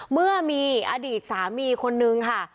เมื่อมีอดีตสามีคนนึงค่ะ